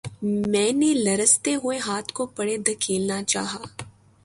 میں نے لرزتے ہوئے ہاتھ کو پرے دھکیلنا چاہا